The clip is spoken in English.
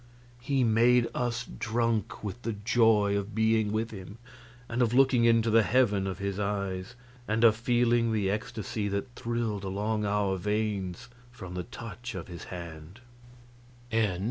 He made us drunk with the joy of being with him, and of looking into the heaven of his eyes, and of feeling the ecstasy that thrilled along our veins from the touch of his hand.